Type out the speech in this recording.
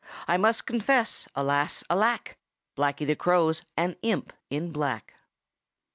I must confess, alas! alack! Blacky the Crow's an imp in black.